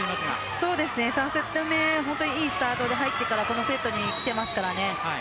本当にいいスタートで入ってからこのセットに来ていますからね。